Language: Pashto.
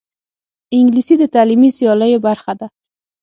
انګلیسي د تعلیمي سیالیو برخه ده